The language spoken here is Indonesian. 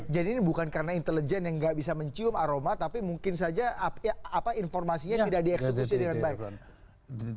jadi ini bukan karena intelijen yang tidak bisa mencium aroma tapi mungkin saja informasinya tidak dieksekusi dengan baik